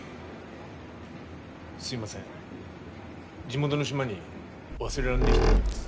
すいません地元の島に忘れらんねえ人がいます。